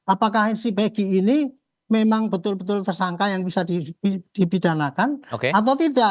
apakah si pegi ini memang betul betul tersangka yang bisa dipidanakan atau tidak